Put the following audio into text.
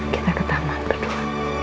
kita ke taman kedua